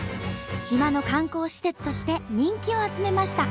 島の観光施設として人気を集めました。